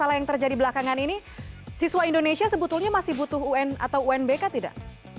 masalah yang terjadi belakangan ini siswa indonesia sebetulnya masih butuh un atau unbk tidak